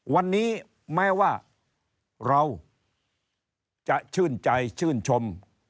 วันนี้แม้ว่าเราจะชื่นใจชื่นชม